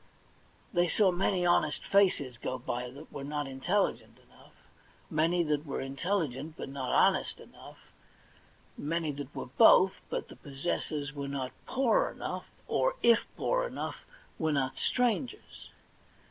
They saw many honest faces go by that were not intelligent enough ; many that were intelligent but not honest enough ; many that were both, but the possessors were not poor enough, or, if poor enough, were not strangers.